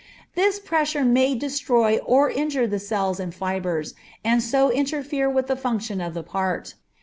This pressure may destroy or injure the cells and fibres, and so interfere with the function of the part.